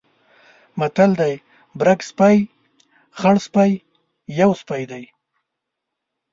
متل دی: برګ سپی، خړسپی یو سپی دی.